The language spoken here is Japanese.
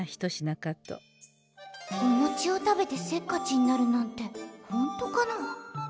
心の声おもちを食べてせっかちになるなんてほんとかな。